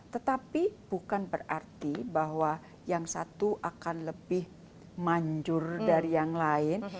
tetapi bukan berarti bahwa yang satu akan lebih manjur dari yang lain